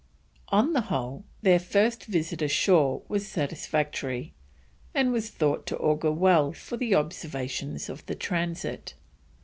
On the whole, their first visit ashore was satisfactory, and was thought to augur well for the observations of the Transit.